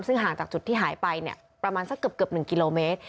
ซึ่งห่างจากจุดที่หายไปประมาณสักเกือบ๑กิโลเมตร